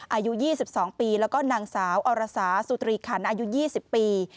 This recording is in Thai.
อายุ๒๒ปีแล้วก็นางสาวอรสาสุตรีขันอายุ๒๐ปี